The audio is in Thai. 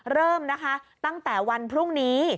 เริ่มนะคะตั้งแต่วันพรุ่งนี้